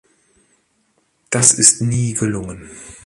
Das ist nie gelungen.